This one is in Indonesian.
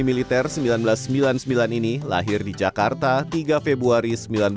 militer seribu sembilan ratus sembilan puluh sembilan ini lahir di jakarta tiga februari seribu sembilan ratus sembilan puluh